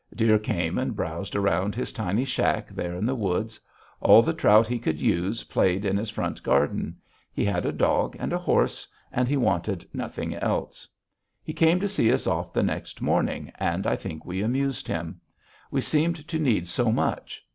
Deer came and browsed around his tiny shack there in the woods. All the trout he could use played in his front garden. He had a dog and a horse, and he wanted nothing else. He came to see us off the next morning, and I think we amused him. We seemed to need so much.